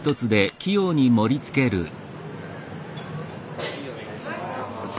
はいお願いします。